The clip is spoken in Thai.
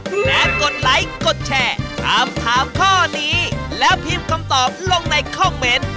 และกดไลค์กดแชร์ถามถามข้อนี้แล้วพิมพ์คำตอบลงในคอมเมนต์